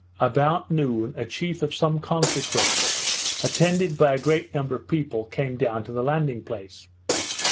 About noon, a chief of some consequence, attended by a great number of people, came down to the landing place.